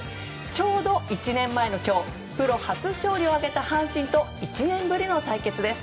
ちょうど１年前の今日プロ初勝利を挙げた阪神と１年ぶりの対決です。